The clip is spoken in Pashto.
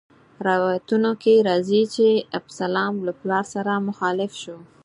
روایتونو کې راځي چې ابسلام له پلار سره مخالف شو.